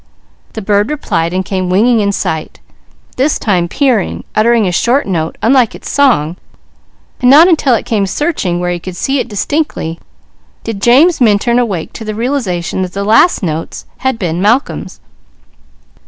The bird replied and came winging in sight, this time peering, uttering a short note, unlike its song; and not until it came searching where he could see it distinctly, did James Minturn awake to the realization that the last notes had been Malcolm's.